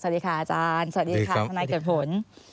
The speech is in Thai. สวัสดีค่ะอาจารย์สวัสดีค่ะทนายเกิดผล